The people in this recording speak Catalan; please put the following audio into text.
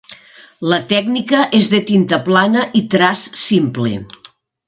La tècnica és de tinta plana i traç simple.